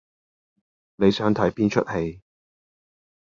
你想睇邊齣戲？